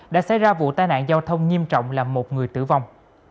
đã xảy ra vụ tai nạn giao thông nghiêm trọng làm một người tử vong